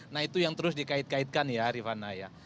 nah itu yang terus dikait kaitkan ya rifana ya